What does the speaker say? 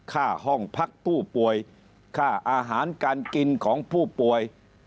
ห้องพักผู้ป่วยค่าอาหารการกินของผู้ป่วย